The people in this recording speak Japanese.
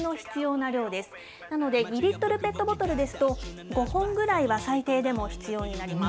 なので２リットルペットボトルですと、５本ぐらいは最低でも必要になります。